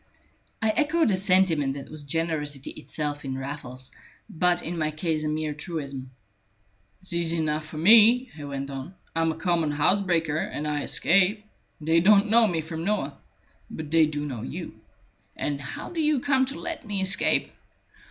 I echoed a sentiment that was generosity itself in Raffles, but in my case a mere truism. "It's easy enough for me," he went on. "I am a common house breaker, and I escape. They don't know me from Noah. But they do know you; and how do you come to let me escape?